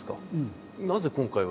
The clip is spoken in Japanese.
なぜ今回は。